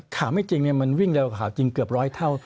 ข่าวไม่จริงมันวิ่งเร็วข่าวจริงเกือบร้อยเท่า